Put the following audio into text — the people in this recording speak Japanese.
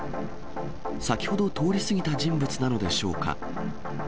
先ほど通り過ぎた人物なのでしょうか。